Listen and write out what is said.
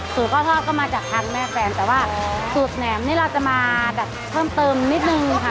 พ่อทอดก็มาจากทางแม่แฟนแต่ว่าสูตรแหนมนี่เราจะมาแบบเพิ่มเติมนิดนึงค่ะ